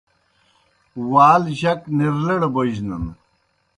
وال جک نرلڑ بوجنَن۔